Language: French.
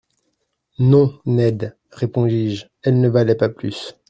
—Non, Ned, répondis-je, elle ne valait pas plus.